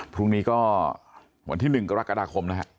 พรุ่งนี้ก็วันที่๑กรกฎาคมนะฮะ